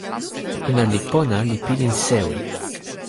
ona li pona li pilin sewi.